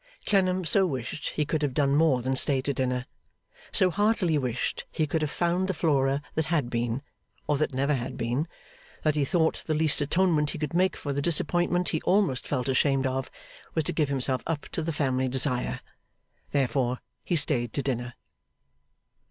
Clennam so wished he could have done more than stay to dinner so heartily wished he could have found the Flora that had been, or that never had been that he thought the least atonement he could make for the disappointment he almost felt ashamed of, was to give himself up to the family desire. Therefore, he stayed to dinner.